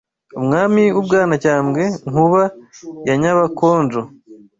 umwami w’u Bwanacyambwe Nkuba ya Nyabakonjo